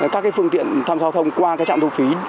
các phương tiện thăm giao thông qua trạm thu phí